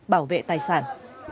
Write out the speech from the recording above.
bảo vệ tài sản